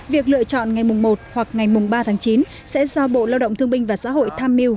việc lựa chọn ngày mùng một hoặc ngày mùng ba tháng chín sẽ do bộ lao động thương binh và xã hội tham mưu